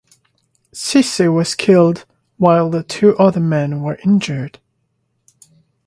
Cisse was killed while the two other men were injured.